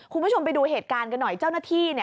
คุณผู้ชมไปดูเหตุการณ์กันหน่อย